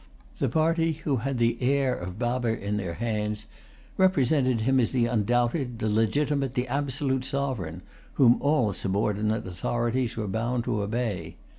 The party who had the heir of Baber in their hands, represented him as the undoubted, the legitimate, the absolute sovereign, whom all subordinate authorities were bound to obey.